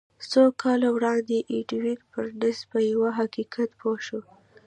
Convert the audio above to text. څو کاله وړاندې ايډوين بارنس په يوه حقيقت پوه شو.